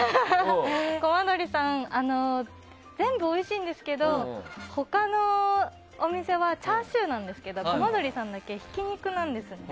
こまどりさん全部おいしいんですけど他のお店はチャーシューなんですけどこまどりさんだけひき肉なんですよね。